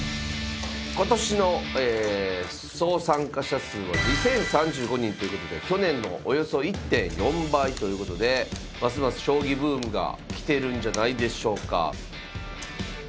今年の総参加者数は２，０３５人ということで去年のおよそ１．４倍ということでますます将棋ブームが来てるんじゃないでしょうか。